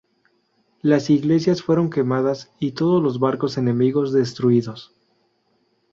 Las iglesias fueron quemadas y todos los barcos enemigos destruidos.